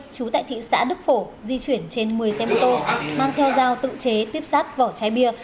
chú tại thị xã đức phổ di chuyển trên một mươi xe mô tô mang theo dao tự chế tiếp sát vỏ chai bia